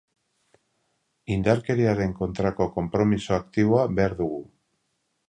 Indarkeriaren kontrako konpromiso aktiboa behar dugu.